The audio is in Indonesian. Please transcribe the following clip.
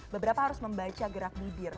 beberapa harus membaca gerak bibir